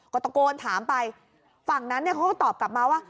ก็ตะโกนถามไปฝั่งนั้นเนี่ยเขาก็ตอบกลับมาว่า